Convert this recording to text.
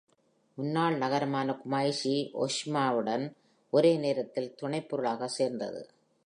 முன்னாள் நகரமான குமைஷி ஓஷிமாவுடன் ஒரே நேரத்தில் துணைப்பொருளாக சேர்ந்தது.